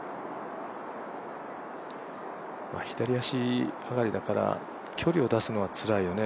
左足上がりだから距離を出すのはつらいよね。